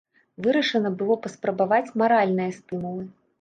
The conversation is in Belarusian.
Вырашана было паспрабаваць маральныя стымулы.